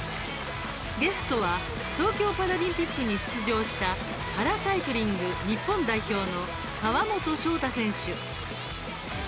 ゲストは東京パラリンピックに出場したパラサイクリング日本代表の川本翔大選手。